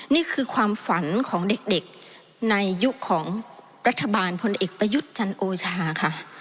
นี่คือความฝันของเด็กในยุคของรัฐบาลพลเอกประยุทธ์จันโอชาค่ะ